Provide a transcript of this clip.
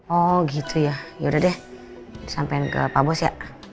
oh gitu ya yaudah deh sampean ke pak bos ya